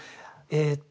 えっと